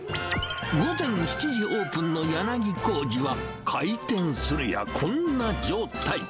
午前７時オープンのヤナギコージは、開店するや、こんな状態。